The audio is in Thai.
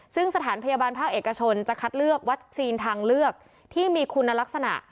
ซึ่งสถานพยาบาลภาคเอกชนจะคัดเลือกวัคซีนทางเลือกที่มีคุณลักษณะ